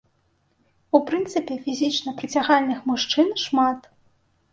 У прынцыпе, фізічна прыцягальных мужчын шмат.